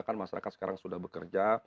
kan masyarakat sekarang sudah bekerja